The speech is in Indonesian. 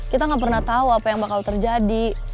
kita gak pernah tahu apa yang bakal terjadi